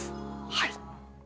はい。